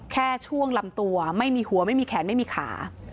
แค่ช่วงลำตัวไม่มีหัวไม่มีแขนไม่มีขา